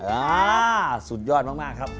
อ่าสุดยอดมากครับ